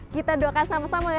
kita doakan sama sama ya